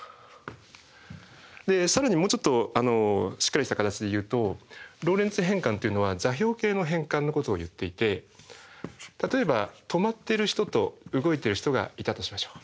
更にもうちょっとしっかりした形で言うとローレンツ変換というのは座標系の変換のことを言っていて例えば止まってる人と動いてる人がいたとしましょう。